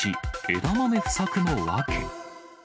枝豆不作の訳。